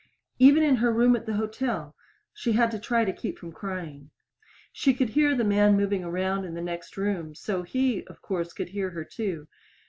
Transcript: Even in her room at the hotel she had to try to keep from crying. She could hear the man moving around in the next room so he, of course, could hear her, too.